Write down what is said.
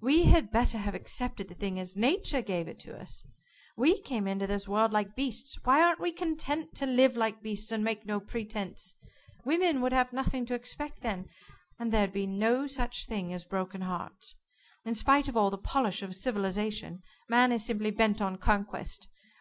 We had better have accepted the thing as Nature gave it to us. We came into this world like beasts why aren't we content to live like beasts, and make no pretenses? Women would have nothing to expect then, and there'd be no such thing as broken hearts. In spite of all the polish of civilization, man is simply bent on conquest.